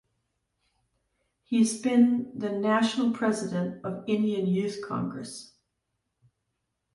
He has been the National President of Indian Youth Congress.